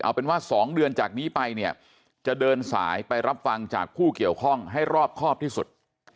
เอาเป็นว่า๒เดือนจากนี้ไปเนี่ยจะเดินสายไปรับฟังจากผู้เกี่ยวข้องให้รอบครอบที่สุด